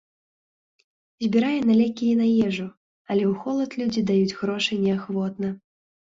Збірае на лекі і на ежу, але ў холад людзі даюць грошы неахвотна.